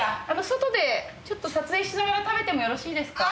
外でちょっと撮影しながら食べてもよろしいですか？